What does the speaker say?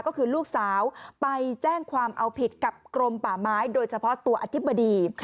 ก็คือลูกสาวไปแจ้งความเอาผิดกับกรมป่าไม้โดยเฉพาะตัวอธิบดี